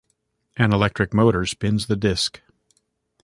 An electric motor spins the disc.